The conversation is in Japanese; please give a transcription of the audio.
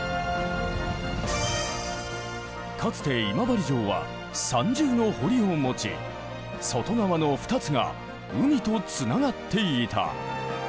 かつて今治城は三重の堀を持ち外側の２つが海とつながっていた。